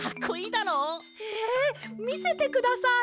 へえみせてください。